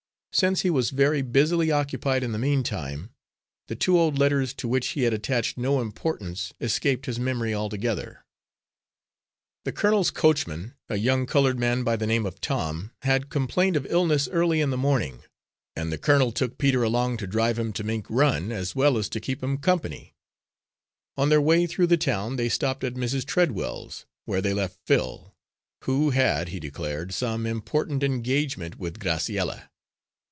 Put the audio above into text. Since he was very busily occupied in the meantime, the two old letters to which he had attached no importance, escaped his memory altogether. The colonel's coachman, a young coloured man by the name of Tom, had complained of illness early in the morning, and the colonel took Peter along to drive him to Mink Run, as well as to keep him company. On their way through the town they stopped at Mrs. Treadwell's, where they left Phil, who had, he declared, some important engagement with Graciella.